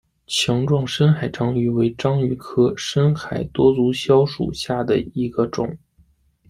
强壮深海章鱼为章鱼科深海多足蛸属下的一个种。